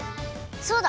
そうだ！